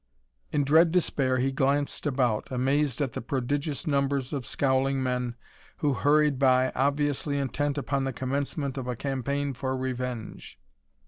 In dread despair he glanced about, amazed at the prodigious numbers of scowling men who hurried by, obviously intent upon the commencement of a campaign for revenge.